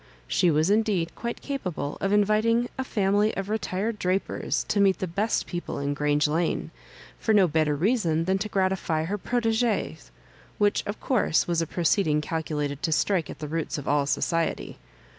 She was indeed quite capable of inviting a fiunily of retired drapers to meet the best people in Grange Lane, for no better reason tban to gratify her proteges^ which, of course, was a proceeding calculated to strike at the roots of all society.